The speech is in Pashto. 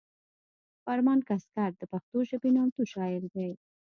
فرمان کسکر د پښتو ژبې نامتو شاعر دی